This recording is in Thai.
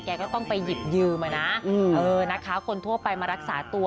ก็ต้องไปหยิบยืมอ่ะนะเออนะคะคนทั่วไปมารักษาตัว